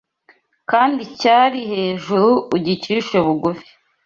kandi cyari hejuru ugicishe bugufi